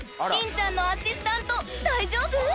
［凛ちゃんのアシスタント大丈夫？］